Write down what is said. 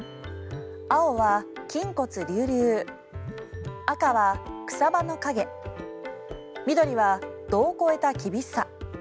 青は、筋骨隆々赤は、草葉の陰緑は、度を超えた厳しさ。